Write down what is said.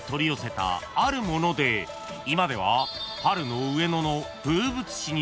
［今では］